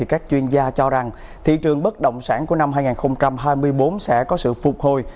các chuyên gia cho rằng thị trường bất động sản của năm hai nghìn hai mươi bốn sẽ có sự phục hồi